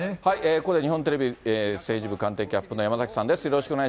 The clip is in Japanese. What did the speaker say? ここで日本テレビ政治部官邸キャップの山崎さんです。